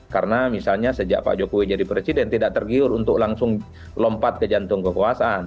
karena misalnya sejak pak jokowi jadi presiden tidak tergiur untuk langsung lompat ke jantung kekuasaan